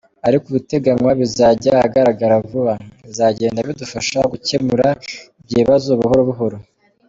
ariko ibiteganywa bizajya ahagaragara vuba , bizagenda bidufasha gukemura ibyo bibazo buhoro buhoro.